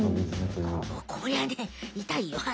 こりゃねいたいよ。